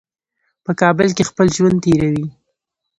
په کابل کې خپل ژوند تېروي.